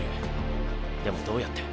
でもどうやって？